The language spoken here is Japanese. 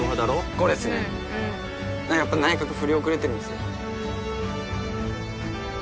これっすねやっぱ内角振り遅れてるんですよ